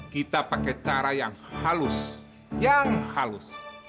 kita pakai cara yang halus yang halus